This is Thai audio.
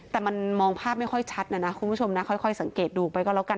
แต่มันมองภาพไม่ค่อยชัดนะนะคุณผู้ชมนะค่อยสังเกตดูไปก็แล้วกัน